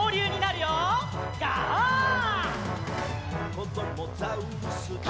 「こどもザウルス